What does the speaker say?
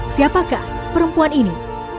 siapakah perempuan ini